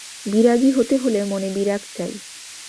বিরাগী হতে হলে মনে বিরাগ চাই।